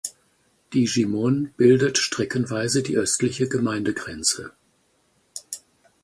Die Gimone bildet streckenweise die östliche Gemeindegrenze.